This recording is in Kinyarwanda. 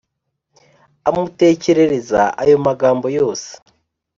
amutekerereza ayo magambo yose.